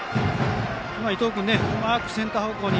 今、伊藤君がうまくセンター方向に。